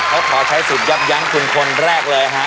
เอาล่ะเขาขอใช้สิทธิ์ยับยั้งคุณคนแรกเลยฮะ